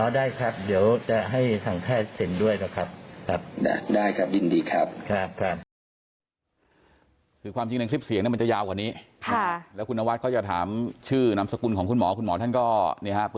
ได้ครับเดี๋ยวจะให้ทางแพทย์เห็นด้วยนะครับ